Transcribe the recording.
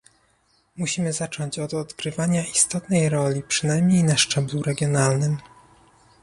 Musimy zacząć od odgrywania istotnej roli przynajmniej na szczeblu regionalnym